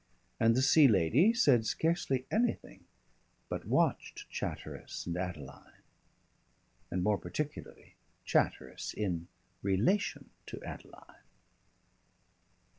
And the Sea Lady said scarcely anything but watched Chatteris and Adeline, and more particularly Chatteris in relation to Adeline.